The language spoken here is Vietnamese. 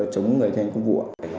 chống người thanh công vụ